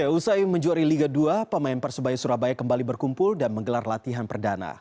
usai menjuari liga dua pemain persebaya surabaya kembali berkumpul dan menggelar latihan perdana